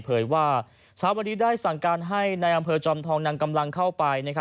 เผยว่าเช้าวันนี้ได้สั่งการให้ในอำเภอจอมทองนำกำลังเข้าไป